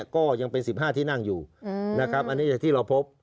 ก็ยังเป็น๑๕ที่นั่งอยู่อันนี้ที่เราพบ